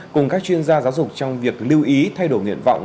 cùng các chuyên gia giáo dục trong việc lưu ý thay đổi nguyện vọng